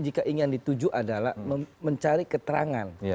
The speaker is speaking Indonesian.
jika ingin dituju adalah mencari keterangan